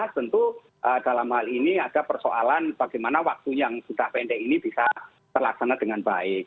tentu dalam hal ini ada persoalan bagaimana waktu yang sudah pendek ini bisa terlaksana dengan baik